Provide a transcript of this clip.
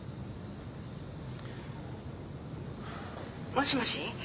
もしもし。